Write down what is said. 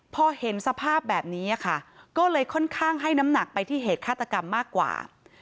พอเห็นสภาพแบบนี้ค่ะก็เลยค่อนข้างให้น้ำหนักไปที่เหตุฆาตกรรมมากกว่า